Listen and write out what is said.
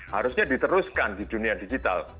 harusnya diteruskan di dunia digital